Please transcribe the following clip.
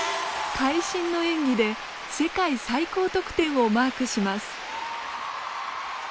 会心の演技で世界最高得点をマークします。